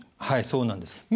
はいそうなんです。